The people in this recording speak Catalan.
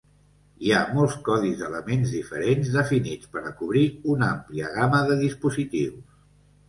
Hi ha molts codis d'elements diferents definits per a cobrir una àmplia gamma de dispositius.